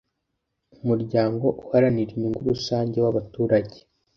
Umuryango uharanira inyungu rusange wabaturage